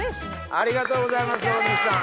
ありがとうございます大西さん。